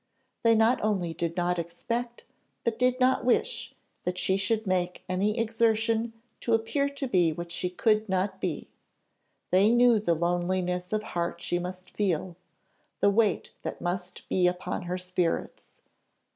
They not only did not expect, but did not wish, that she should make any exertion to appear to be what she could not be; they knew the loneliness of heart she must feel, the weight that must be upon her spirits.